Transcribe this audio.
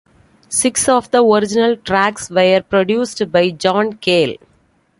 Six of the original tracks were produced by John Cale.